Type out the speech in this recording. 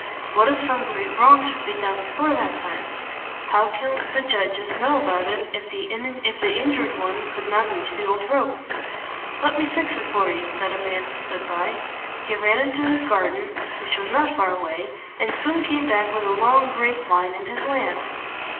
What if some great wrong should be done before it came? How could the judges know about it, if the in jured one could not reach the old rope? "Let me fix it for you," said a man who stood by. He ran into his garden, which was not far away, and soon came back with a long grape vine in his hands.